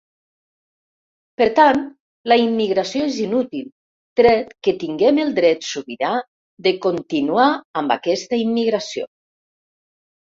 Per tant, la immigració és inútil, tret que tinguem el dret sobirà de continuar amb aquesta immigració.